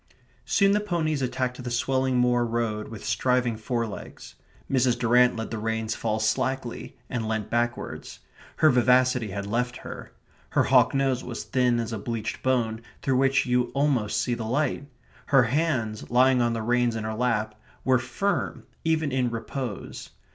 Soon the ponies attacked the swelling moor road with striving forelegs. Mrs. Durrant let the reins fall slackly, and leant backwards. Her vivacity had left her. Her hawk nose was thin as a bleached bone through which you almost see the light. Her hands, lying on the reins in her lap, were firm even in repose.